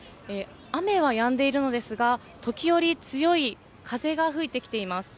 雨はやんでいるのですが、時折、強い風が吹いてきています。